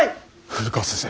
古川先生。